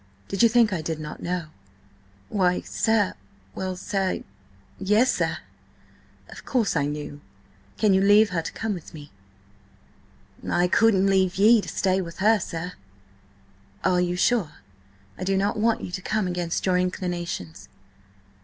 Did you think I did not know?" "Why, sir–well, sir–yes, sir!" "Of course I knew! Can you leave her to come with me?" "I couldn't leave ye to stay with her, sir." "Are you sure? I do not want you to come against your inclinations."